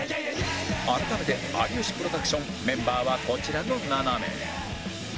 改めて有吉プロダクションメンバーはこちらの７名